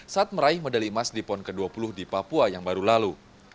saat meraih medali emas di pon ke dua puluh di papua yang baru lalu